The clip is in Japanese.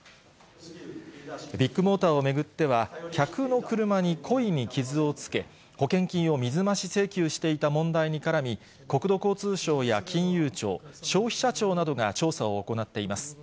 ビッグモーターを巡っては、客の車に故意に傷をつけ、保険金を水増し請求していた問題に絡み、国土交通省や金融庁、消費者庁などが調査を行っています。